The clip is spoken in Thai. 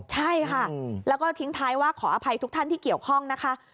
ใช่ค่ะแล้วก็ทิ้งท้ายว่าขออภัยทุกท่านที่เกี่ยวข้องนะคะ